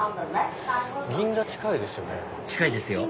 銀座近いですよね。